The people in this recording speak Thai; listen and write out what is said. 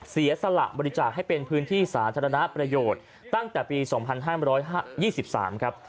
เสียสละบริจาคให้เป็นพื้นที่สาธารณประโยชน์ตั้งแต่ปี๒๕๒๓ครับ